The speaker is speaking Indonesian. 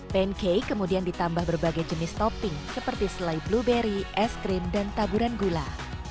pancake kemudian ditambah berbagai jenis topping seperti selai blueberry es krim dan taburan gula